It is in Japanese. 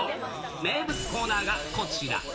名物コーナーがこちら。